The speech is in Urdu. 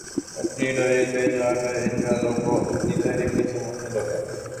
اپنی ڈائری لے جا کر ان یادوں کو اپنی تحریر میں سمونے لگا